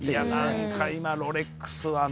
何か今ロレックスはな。